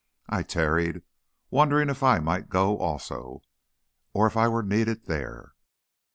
I tarried, wondering if I might go also, or if I were needed there.